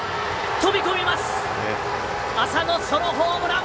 飛び越えます浅野、ソロホームラン。